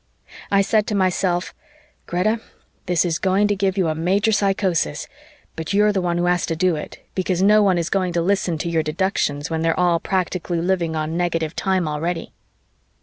I said to myself, "Greta, this is going to give you a major psychosis, but you're the one who has to do it, because no one is going to listen to your deductions when they're all practically living on negative time already."